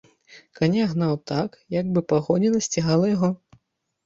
Каня гнаў так, як бы пагоня насцігала яго.